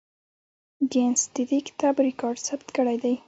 ګینس د دې کتاب ریکارډ ثبت کړی دی.